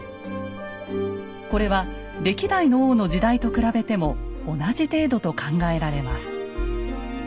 これは歴代の王の時代と比べても同じ程度と考えられます。